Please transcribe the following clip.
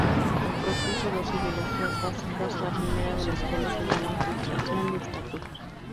Propuso dos ideologías básicas, la primera de las cuales se llama frustración de estatus.